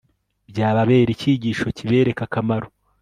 Byababera icyigisho kibereka akamaro